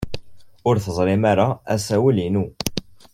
Ur teẓrim ara asawal-inu?